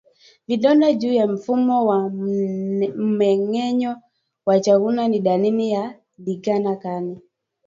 Vidonda juu ya mfumo wa mmengenyo wa chakula ni dalili ya ndigana kali